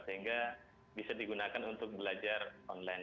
sehingga bisa digunakan untuk belajar online